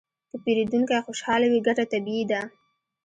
که پیرودونکی خوشحاله وي، ګټه طبیعي ده.